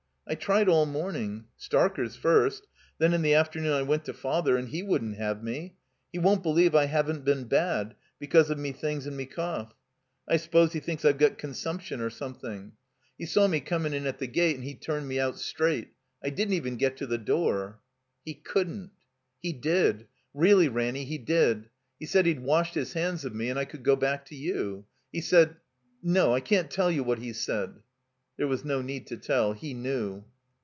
''I tried all morning. Starker 's first. Then in the afternoon I went to Father, and he wouldn't have me. He won't beUeve I haven't been bad, be cause of me things and me cough. I suppose he thinks I've got consumption or something. He saw 388 THE COMBINED MAZE me coming in at the gate and he turned me out straight. I didn't even get to the door." "He couldn't—" *'He did — reelly, Ranny, he did. He said he'd washed his hands of me and I could go back to you. He said — No, I can't tell you what he said." There was no need to tell. He knew.